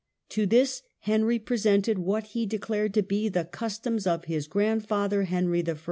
To this Henry presented what he declared to be the customs of his grandfather Henry I.